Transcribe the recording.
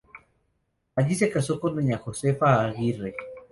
Allí se casó con doña Josefa Aguirre.